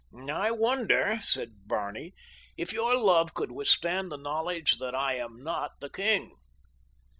"I wonder," said Barney, "if your love could withstand the knowledge that I am not the king."